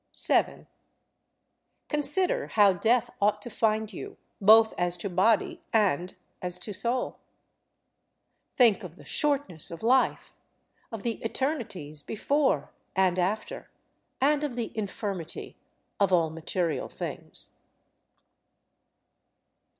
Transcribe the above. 7. Consider how death ought to find you, both as to body and as to soul. Think of the shortness of life, of the eternities before and after, and of the infirmity of all material things.